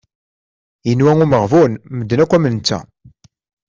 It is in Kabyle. Yenwa umeɣbun, medden akk am netta.